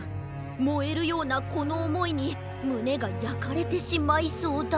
もえるようなこのおもいにむねがやかれてしまいそうだ。